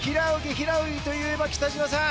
平泳ぎといえば北島さん